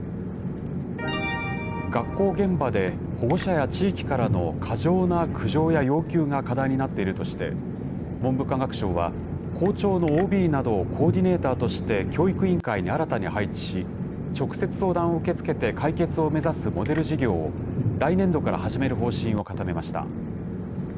学校現場で保護者や地域からの過剰な苦情や要求が課題になっているとして文部科学省は校長のＯＢなどをコーディネーターとして教育委員会に新たに配置し直接相談を受け付けて解決を目指すモデル事業を来年度から始める方針を固めました。